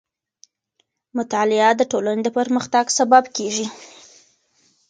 مطالعه د ټولنې د پرمختګ سبب کېږي.